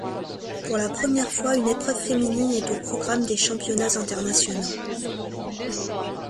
Pour la première fois une épreuve féminine est au programme des Championnats internationaux.